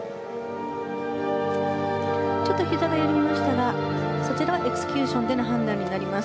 ちょっとひざが緩みましたがそちらはエクスキューションでの判断になります。